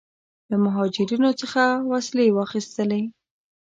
له مهاجرینو څخه وسلې واخیستلې.